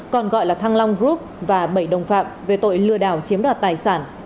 còn gọi là thăng long group và bảy đồng phạm về tội lừa đảo chiếm đoạt tài sản